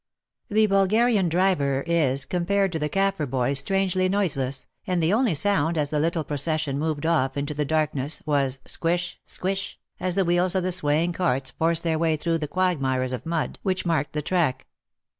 The Bulgarian driver is, compared to the Kaffir boy, strangely noiseless, and the only sound as the little procession moved off into the darkness was squish, squish, as the wheels of the swaying carts forced their way through the quagmires of mud which marked the track.